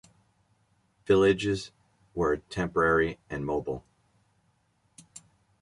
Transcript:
Villages were temporary and mobile.